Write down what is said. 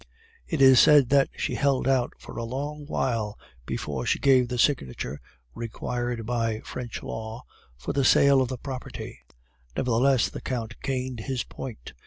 It is said that she held out for a long while before she gave the signature required by French law for the sale of the property; nevertheless the Count gained his point.